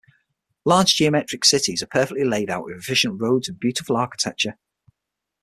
Large geometric cities are perfectly laid out with efficient roads and beautiful architecture.